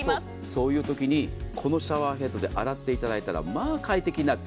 そういう時にこのシャワーヘッドで洗っていただいたらまあ、快適になる。